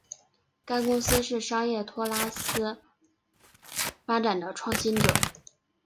该公司是商业托拉斯发展的创新者。